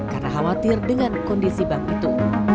karena khawatir dengan kondisi bank itu